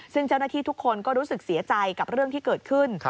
ซึ่งเจ้าหน้าที่ทุกคนก็รู้สึกเสียใจกับเรื่องที่เกิดขึ้น